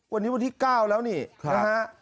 วันนี้วันที่๙แล้วนี่นะฮะ